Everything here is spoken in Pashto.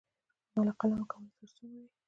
زما له قلم او کلام سره یې څویمه ده.